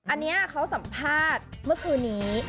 อันนี้เขาสัมภาษณ์เมื่อคืนนี้